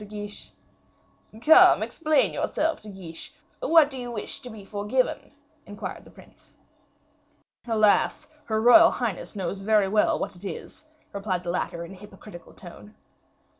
de Guiche?" "Come, explain yourself, De Guiche. What do you wish to be forgiven?" inquired the prince. "Alas! her royal highness knows very well what it is," replied the latter, in a hypocritical tone.